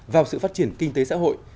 vào sự phát triển kinh tế xã hội